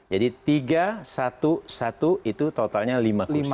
jadi tiga satu satu itu totalnya lima kursi